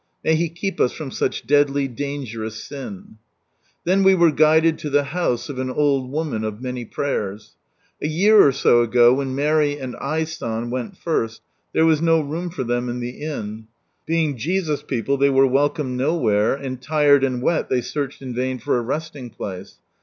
May He keep us from such deadly dangerous sin ! Then we were guided to the house of an old woman of many prayers. A year or so ago, when Mary and I. San went first, there was no room for them in the inn. Being Jesus people, they w ere welcome nowhere, and tired and wet they searched in vain for a resting place.